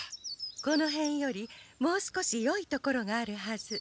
このへんよりもう少しよい所があるはず。